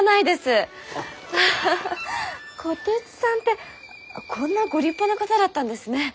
虎鉄さんってこんなご立派な方だったんですね。